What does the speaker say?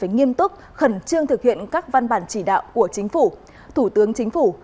nghiêm túc khẩn trương thực hiện các văn bản chỉ đạo của chính phủ thủ tướng chính phủ